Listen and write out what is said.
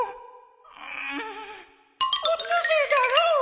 うんオットセイだろ！